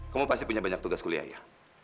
kamu pasti punya banyak tugas kuliah ya